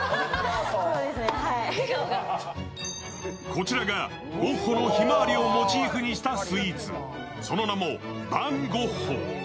こちらがゴッホの「ひまわり」をモチーフにしたスイーツ、その名もヴァン・ゴッホ。